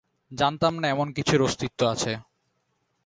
জানতাম না এমন কিছুর অস্তিত্ব আছে।